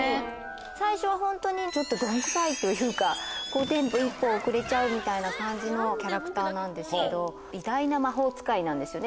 最初はホントにちょっとどんくさいというかテンポ一歩遅れちゃうみたいな感じのキャラクターなんですけど偉大な魔法使いなんですよね